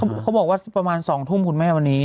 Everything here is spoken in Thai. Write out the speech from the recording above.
เขาบอกว่าประมาณ๒ทุ่มคุณแม่วันนี้